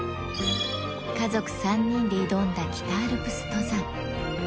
家族３人で挑んだ北アルプス登山。